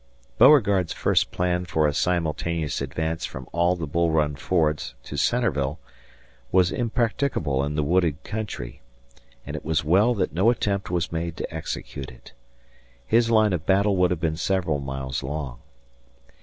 Beauregard's first plan for a simultaneous advance from all the Bull Run fords to Centreville was impracticable in the wooded country, and it was well that no attempt was made to execute it. His line of battle would have been several miles long.